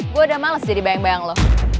gue udah males jadi bayang bayang loh